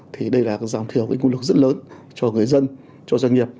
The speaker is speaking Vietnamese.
thì đây là giảm thiểu cái nguồn lực rất lớn cho người dân cho doanh nghiệp